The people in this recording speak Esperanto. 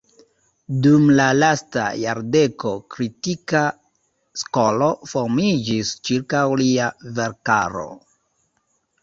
Dum la lasta jardeko kritika skolo formiĝis ĉirkaŭ lia verkaro.